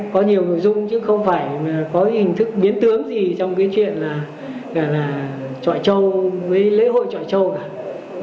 có nhiều người dung chứ không phải có hình thức biến tướng gì trong cái chuyện là chọi trâu với lễ hội chọi trâu cả